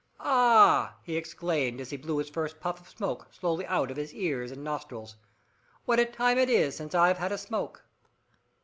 "Ah!" he exclaimed, as he blew his first puff of smoke slowly out of his ears and nostrils. "What a time it is since I've had a smoke!"